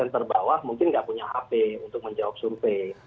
empat puluh terbawah mungkin tidak punya hp untuk menjawab survei